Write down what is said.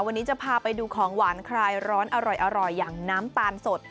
วันนี้จะพาไปดูของหวานคลายร้อนอร่อยอย่างน้ำตาลสด